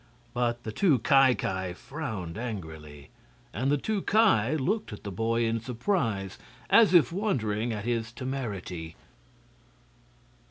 But the two Ki Ki frowned angrily, and the two Ki looked at the boy in surprise, as if wondering at his temerity.